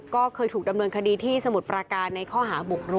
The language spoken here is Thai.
ก็เคยถูกดำเนินคดีที่สมุทรปราการในข้อหาบุกรุก